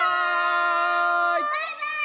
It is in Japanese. バイバイ！